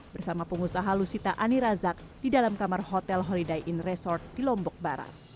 bersama pengusaha lusita anirazak di dalam kamar hotel holiday in resort di lombok barat